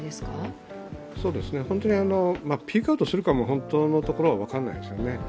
ピークアウトするかも本当のところは分かりませんよね。